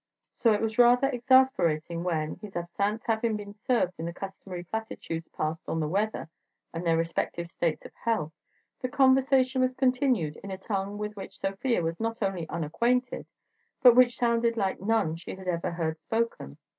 So it was rather exasperating when, his absinthe having been served and the customary platitudes passed on the weather and their respective states of health, the conversation was continued in a tongue with which Sofia was not only unacquainted but which sounded like none she had ever heard spoken.